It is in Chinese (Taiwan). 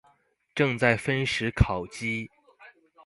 正在分食烤雞